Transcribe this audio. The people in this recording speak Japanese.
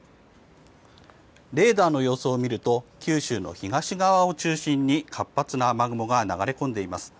レーダーの様子を見ると九州の東側を中心に活発な雨雲が流れ込んでいます。